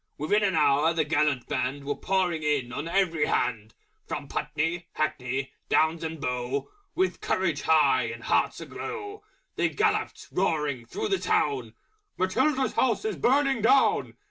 Within an hour the Gallant Band Were pouring in on every hand, From Putney, Hackney Downs and Bow, With Courage high and Hearts a glow They galloped, roaring through the Town, "Matilda's House is Burning Down!"